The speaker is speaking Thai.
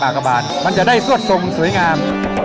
กระบานมันจะได้ซวดทรงสวยงาม